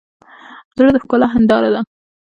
زړه د ښکلا هنداره ده.